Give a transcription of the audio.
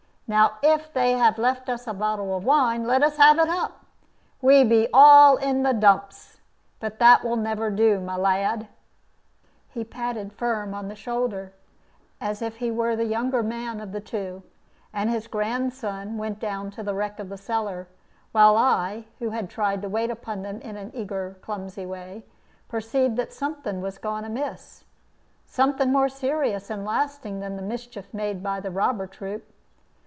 Now if they have left us a bottle of wine, let us have it up. We be all in the dumps. But that will never do, my lad." He patted Firm on the shoulder, as if he were the younger man of the two, and his grandson went down to the wreck of the cellar; while I, who had tried to wait upon them in an eager, clumsy way, perceived that something was gone amiss, something more serious and lasting than the mischief made by the robber troop.